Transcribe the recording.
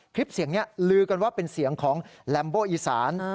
คลิปเสียงนี้ลือกันว่าเป็นเสียงของแรมโบอีสาน